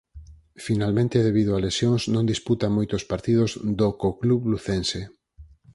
Finalmente debido a lesións non disputa moitos partidos do co club lucense.